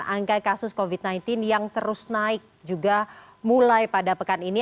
angka kasus covid sembilan belas yang terus naik juga mulai pada pekan ini